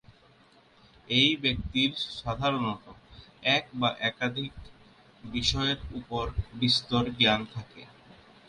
এই ব্যক্তির সাধারণত এক বা একাধিক বিষয়ের উপর বিস্তর জ্ঞান থাকে।